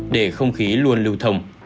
để không khí luôn lưu thông